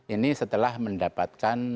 ini setelah mendapatkan